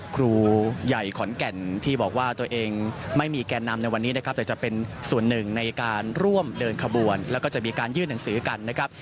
ครูใหญ่ขอนแก่นที่บอกว่าตัวเองไม่มีแก่นำในวันนี้นะครับแต่จะเป็นส่วนหนึ่งในการร่วมเดินขบวนแล้วก็จะมีการยื่นหนังสือกันนะครับ